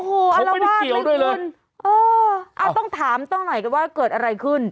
โอ้โฮอาระวาคเลยคุณอ่าต้องถามต้องหน่อยว่าเกิดอะไรขึ้นโอ้โฮอาระวาคเลยคุณ